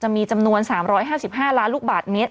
มีจำนวน๓๕๕ล้านลูกบาทเมตร